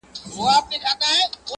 زما پر زړه لګي سیده او که کاږه وي،